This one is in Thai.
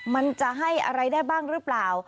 มันจะให้อะไรได้บ้างหรือเปล่า